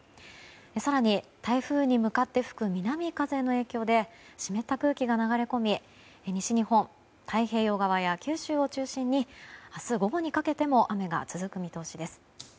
更に台風に向かって吹く南風の影響で湿った空気が流れ込み西日本、太平洋側や九州を中心に明日午後にかけても雨が続く見通しです。